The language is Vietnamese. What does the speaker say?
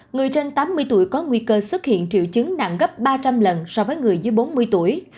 người trên tám mươi tuổi có nguy cơ xuất hiện triệu chứng nặng gấp ba trăm linh lần so với người dưới bốn mươi tuổi